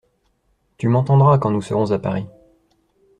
Tu m'entendras, quand nous serons à Paris.